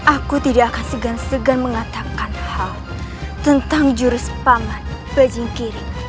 aku tidak akan segan segan mengatakan hal tentang jurus paman pejingkiri